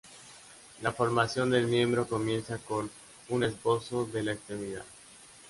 La formación del miembro comienza como un esbozo de la extremidad.